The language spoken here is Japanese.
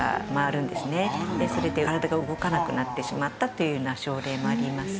それで体が動かなくなってしまったというような症例もあります。